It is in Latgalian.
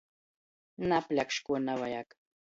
Napļakš, kuo navajag!